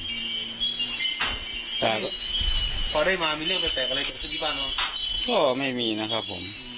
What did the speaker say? พอได้มามีเรื่องแปลกอะไรกับสุขีบ้างหรอก็ไม่มีนะครับผม